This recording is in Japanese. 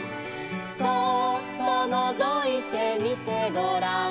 「そーっとのぞいてみてごらん」